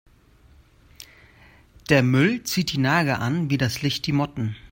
Der Müll zieht die Nager an wie das Licht die Motten.